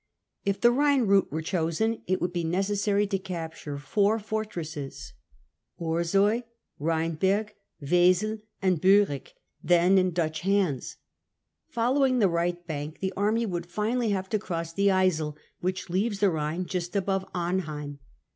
If the Rhine route were chosen, it would be neces* sary to capture four fortresses — Orsoy, Rhynberg, Wesel, and Biirick— then in Dutch hands. Following the right bank, the army would finally have to cross the Yssel, which leaves the Rhine just above Arnheim.